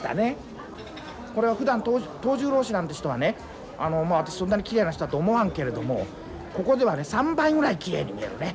これはふだん藤十郎氏なんて人はねあの私そんなにきれいな人だとは思わんけれどもここではね３倍ぐらいきれいに見えるね。